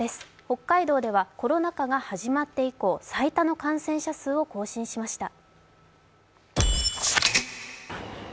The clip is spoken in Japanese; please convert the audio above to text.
北海道ではコロナ禍が始まって以降、最多の感染者数を更新しました。